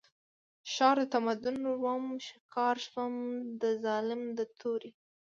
ښار د تمدن وم ښکار شوم د ظالم د تورې